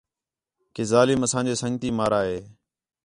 کہ ظالم اساں جے سنڳتی مارا ہِے